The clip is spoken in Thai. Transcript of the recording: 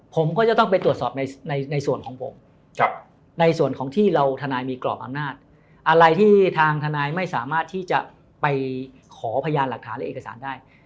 ผมก็จะต้องไปตรวจสอบในส่วนของผมในส่วนของที่เราทนายมีกรอบอำนาจอะไรที่ทางทนายไม่สามารถที่จะไปขอพยานหลักฐานและเอกสารได้